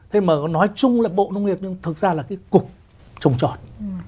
thế mà nói chung là bộ nông nghiệp nhưng thực ra là cái cục trồng tròn